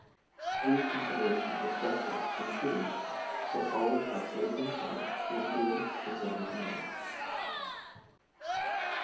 Thefe confiderations of juftice and pru dence, will always have great influence with good and wife men.